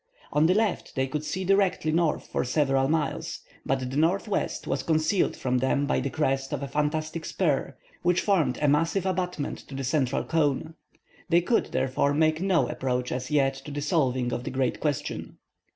On the left they could see directly north for several miles; but the northwest was concealed from them by the crest of a fantastic spur, which formed a massive abutment to the central cone. They could, therefore, make no approach as yet to the solving of the great question.